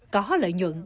có lợi nhuận